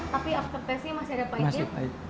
tapi after test nya masih ada paitnya masih pait